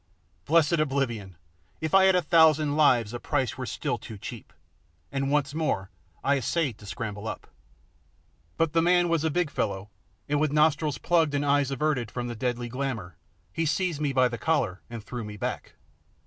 "Blessed oblivion! If I had a thousand lives the price were still too cheap," and once more I essayed to scramble up. But the man was a big fellow, and with nostrils plugged, and eyes averted from the deadly glamour, he seized me by the collar and threw me back.